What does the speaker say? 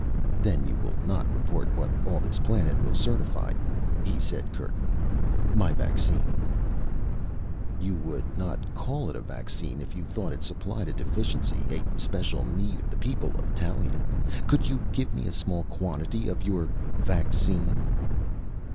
"Then you will not report what all this planet will certify," he said curtly. "My vaccine " "You would not call it a vaccine if you thought it supplied a deficiency a special need of the people of Tallien. Could you give me a small quantity of your ... vaccine?"